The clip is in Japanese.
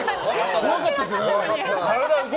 怖かったですよね。